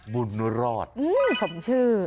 บุญรอดสมชื่อ